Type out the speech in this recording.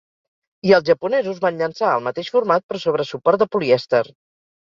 I els japonesos van llançar el mateix format però sobre suport de polièster.